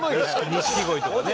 錦鯉とかね。